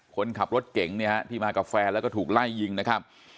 คนขับรถเก่งเนี่ยฮะที่มากับแฟนแล้วก็ถูกไล่ยิงนะครับ